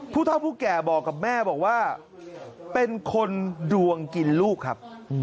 ผู้เท่าผู้แก่บอกกับแม่บอกว่าเป็นคนดวงกินลูกครับ